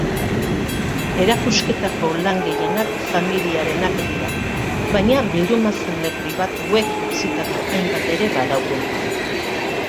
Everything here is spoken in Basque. Erakusketako lan gehienak familiarenak dira, baina bildumazale pribatuek utzitako hainbat ere badaude.